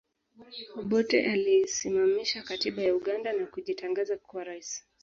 Obote aliisimamisha katiba ya Uganda na kujitangaza kuwa rais